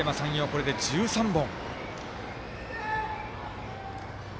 これで１３本。